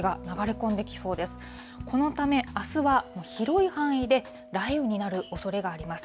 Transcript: このため、あすは広い範囲で雷雨になるおそれがあります。